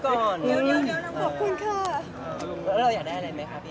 ตอนนี้อยากได้อะไรไหมผม